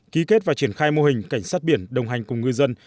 ký kết và triển khai mô hình cảnh sát biển đồng hành cùng ngư dân